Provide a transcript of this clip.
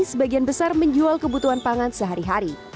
sebagian besar menjual kebutuhan pangan sehari hari